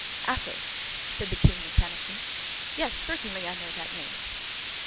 "Athos," said the king, mechanically; "yes, certainly I know that name."